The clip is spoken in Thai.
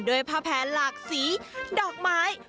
ด้วยผ้าแพ้หลากสีดอกไม้